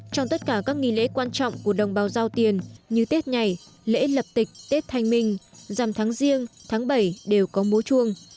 trong tất cả các nghi lễ quan trọng của đồng bào giao tiền như tết nhảy lễ lập tịch tết thanh minh dằm tháng riêng tháng bảy đều có mú chuông